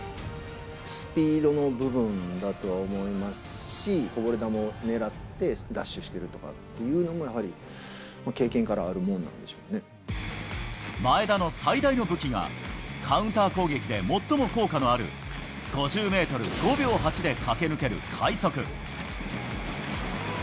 スピードの部分だとは思いますし、こぼれ球を狙ってダッシュしてるとかっていうのも、やはり前田の最大の武器が、カウンター攻撃で最も効果のある５０メートル５秒８で駆け抜ける快足。